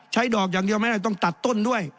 ดอกอย่างเดียวไม่ได้ต้องตัดต้นด้วย